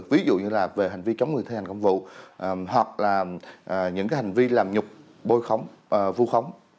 ví dụ như là về hành vi chống người thi hành công vụ hoặc là những hành vi làm nhục bôi khống vu khống